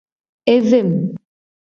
Evem.